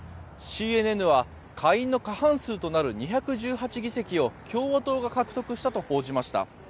ＣＮＮは下院の過半数となる２１８議席を共和党が獲得したと報じました。